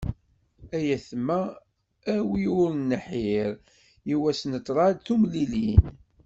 Ay ayetma a wi ur nḥir, i wass n ṭṭrad tumlilin.